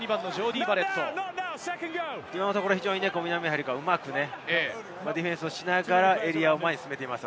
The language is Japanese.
今のところ非常に南アフリカ、うまくディフェンスしながら、エリアを前に進めています。